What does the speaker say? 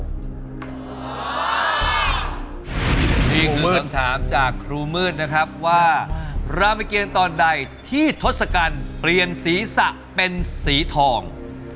นี่คือคำถามจากครูมืดนะครับว่าราเมเกณฑ์ตอนใดที่ทศกัณฐ์เปลี่ยนศีรษะเป็นสีทอง